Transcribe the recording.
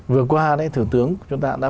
vừa qua thủ tướng chúng ta đã